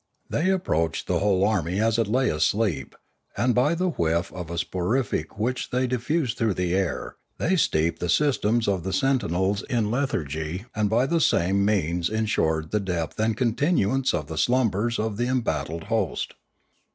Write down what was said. They approached the whole army as it lay asleep, and by the whiff of a soporific which they diffused through the air, they steeped the systems of the sentinels in lethargy and by the same means ensured the depth and continuance of the slumbers of the em battled host.